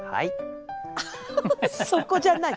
そこじゃない。